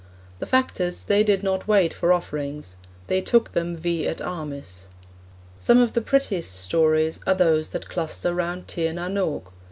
The fact is they did not wait for offerings; they took them vi et armis. Some of the prettiest stories are those that cluster round Tir na n Og.